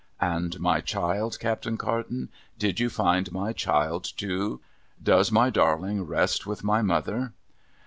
'And my child, Captain Carton, did you find my child, too? Does my darling rest with my mother